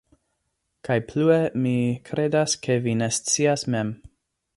kaj plue mi kredas ke vi ne scias mem.